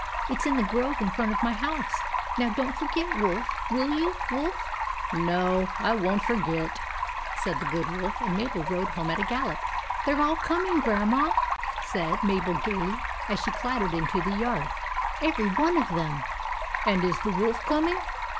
It 's in the grove in front of my house. Now don't forget, will you, Wolf ?"" No, I won't forget," said the Good Wolf ; and Mabel rode home at a gallop. " They 're all coming, Grandma !" said 122 THE ADVENTURES OF MABEL Mabel, gaily, as she clattered into the yard. " Every one of them." " And is the — the Wolf coming